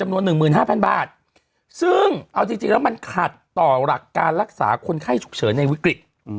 นวล๑๕๐๐บาทซึ่งเอาจริงแล้วมันขัดต่อหลักการรักษาคนไข้ฉุกเฉินในวิกฤต